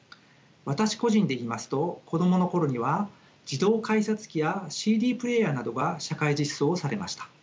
私個人でいいますと子供の頃には自動改札機やＣＤプレーヤーなどが社会実装されました。